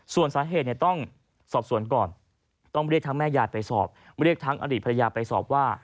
ส่วนสาเหตุเนี่ยต้องสอบสวนก่อนต้องเรียกทั้งแม่ยายไปสอบเรียกทั้งอดีตภรรยาไปสอบว่า